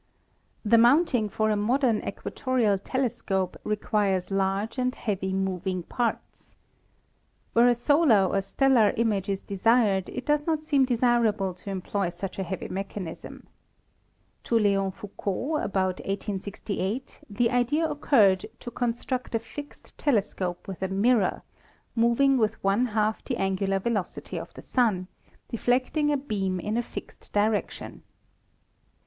The mounting for a modern equatorial telescope requires large and heavy moving parts. Where a solar or stellar image is desired it does not seem desirable to employ such a heavy mechanism. To Leon Foucault, about 1868, the idea occurred to construct a fixed telescope with a mirror, moving with one half the angular velocity of the Sun, deflecting a beam in a fixed direction.